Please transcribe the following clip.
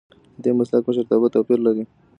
ددې مسلک مشرتابه توپیر لري.